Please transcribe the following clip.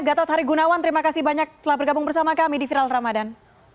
gatot harigunawan terima kasih banyak telah bergabung bersama kami di viral ramadan